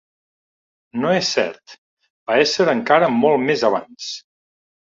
No és cert: va esser encara molt més abans...